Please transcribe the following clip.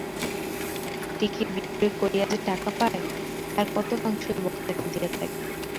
Ticket বিক্রয় করিয়া যে টাকা পায়, তাহার কতকাংশ ঐ বক্তাকে দিয়া থাকে।